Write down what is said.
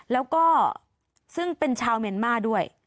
แล้วก็ซึ่งเป็นชาวเมียนมาร์ด้วย